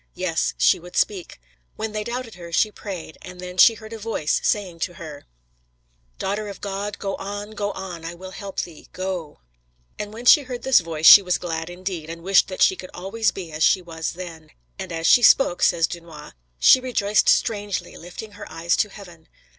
Yes, she would speak. When they doubted her, she prayed, "and then she heard a Voice saying to her: "'Fille de Dieu, va, va, je serai a ton aide, val!'" [Footnote: "Daughter of God, go on, go on, I will help thee; go!] "And when she heard this Voice she was glad indeed, and wished that she could always be as she was then; and as she spoke," says Dunois, "she rejoiced strangely, lifting her eyes to heaven."